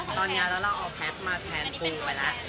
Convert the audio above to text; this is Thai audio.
ตอนนี้แล้วเราเอาแพทย์มาแทนปูไปแล้ว